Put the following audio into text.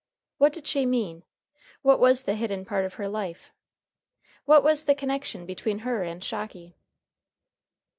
What did she mean? What was the hidden part of her life? What was the connection between her and Shocky?